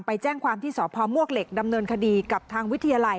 ไปแจ้งความที่สพมวกเหล็กดำเนินคดีกับทางวิทยาลัย